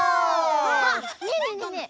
ねえねえねえねえ